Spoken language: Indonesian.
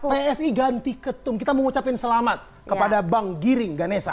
psi ganti ketum kita mengucapkan selamat kepada bang giring ganesa